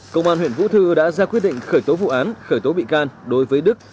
công an huyện vũ thư đã ra quyết định khởi tố vụ án khởi tố bị can đối với đức